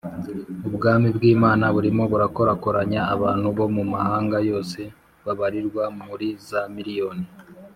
Ubwami bw’Imana burimo burakorakoranya abantu bo mu mahanga yose babarirwa muri za miriyoni